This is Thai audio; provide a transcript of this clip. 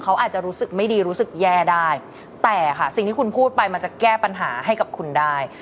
เขาอาจจะรู้สึกไม่ดีรู้สึกแย่ได้แต่ค่ะสิ่งที่คุณพูดไปมันจะแก้ปัญหาให้กับคุณได้